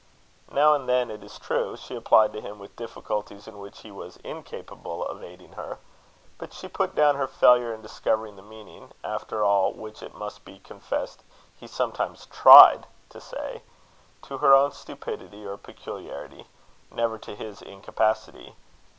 Now and then, it is true, she applied to him with difficulties in which he was incapable of aiding her; but she put down her failure in discovering the meaning, after all which it must be confessed he sometimes tried to say, to her own stupidity or peculiarity never to his incapacity.